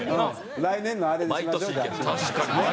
来年のあれにしましょじゃあ。